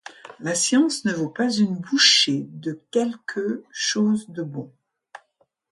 La science ne vaut pas une bouchée de quelque chose de bon.